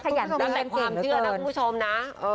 ความเชื่อนะคุณผู้ชมนะ